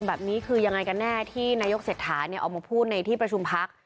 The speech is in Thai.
แบบนี้คือยังไงกันแน่ที่นายกเศรษฐาออกมาพูดในที่ประชุมพัก